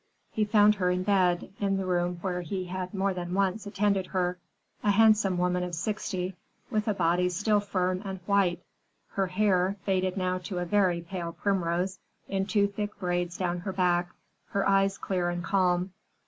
He found her in bed, in the room where he had more than once attended her, a handsome woman of sixty with a body still firm and white, her hair, faded now to a very pale primrose, in two thick braids down her back, her eyes clear and calm.